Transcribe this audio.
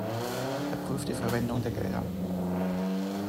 Er prüft die Verwendung der Gelder.